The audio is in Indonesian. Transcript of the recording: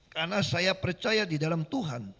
karena saya percaya di dalam tuhan